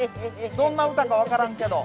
どんな歌か分からんけど。